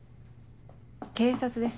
警察です。